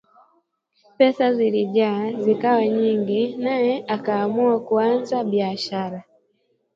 Pesa zilijaa zikawa nyingi naye akaamua kuanza biashara